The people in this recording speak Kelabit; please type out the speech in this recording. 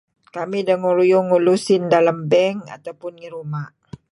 Kamih dengeruyung ngulu usin dalam bank atau ngi ruma'.